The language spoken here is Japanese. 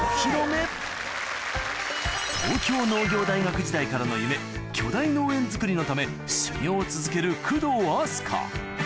東京農業大学時代からの夢巨大農園づくりのため修業を続ける工藤阿須加